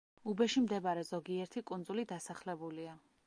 უბეში მდებარე ზოგიერთი კუნძული დასახლებულია.